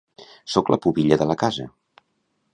Sóc la pubilla de la casa